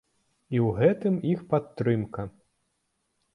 І ў гэтым іх падтрымка.